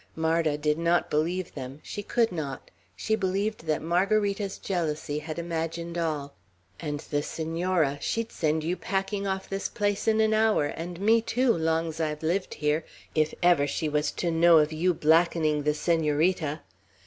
Marda did not believe them. She could not. She believed that Margarita's jealousy had imagined all. "And the Senora; she'd send you packing off this place in an hour, and me too, long's I've lived here, if ever she was to know of you blackening the Senorita.